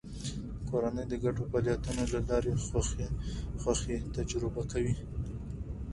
کورنۍ د ګډو فعالیتونو له لارې خوښي تجربه کوي